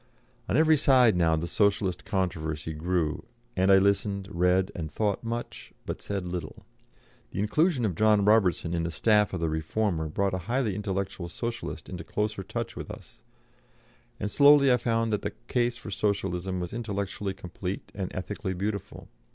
On every side now the Socialist controversy grew, and I listened, read, and thought much, but said little. The inclusion of John Robertson in the staff of the Reformer brought a highly intellectual Socialist into closer touch with us, and slowly I found that the case for Socialism was intellectually complete and ethically beautiful.